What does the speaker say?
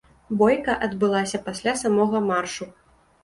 Бойка адбылася пасля самога маршу.